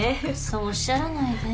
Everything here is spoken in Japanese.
そうおっしゃらないで。